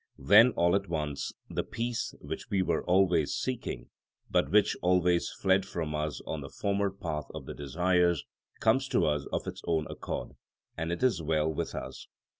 Then all at once the peace which we were always seeking, but which always fled from us on the former path of the desires, comes to us of its own accord, and it is well with us.